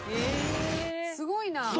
すごいな。